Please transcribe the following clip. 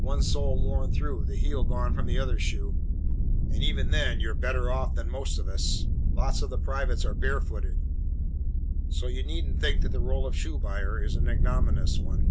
"One sole worn through. The heel gone from the other shoe, and even then you're better off than most of us. Lots of the privates are barefooted. So you needn't think that the role of shoe buyer is an ignominious one."